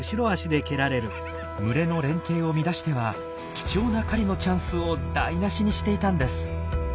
群れの連携を乱しては貴重な狩りのチャンスを台なしにしていたんです。